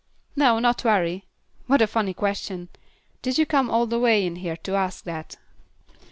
"No, not very. What a funny question. Did you come all the way in here to ask that?"